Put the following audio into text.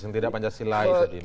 yang tidak pancasila